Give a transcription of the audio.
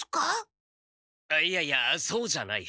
あっいやいやそうじゃない。